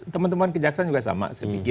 teman teman kejaksaan juga sama